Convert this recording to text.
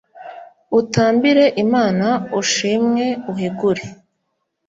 utambire imana ushimwe uhigure